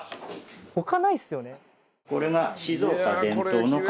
他ないっすよね？